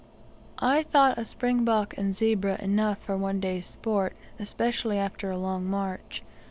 I thought a spring bok and zebra enough for one day's sport, especially after a long march.